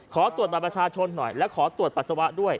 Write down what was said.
ขอตรวจบัตรประชาชนหน่อยและขอตรวจปัสสาวะด้วย